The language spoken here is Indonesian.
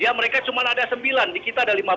ya mereka cuma ada sembilan di kita ada lima belas